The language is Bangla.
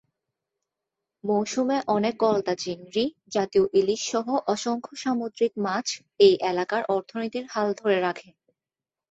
মৌসুমে অনেক গলদা চিংড়ি, জাতীয় ইলিশ সহ অসংখ্য সামুদ্রিক মাছ এই এলাকার অর্থনীতির হাল ধরে রাখে।